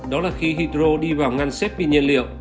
đó là khi hydro đi vào ngăn xếp pin nhiên liệu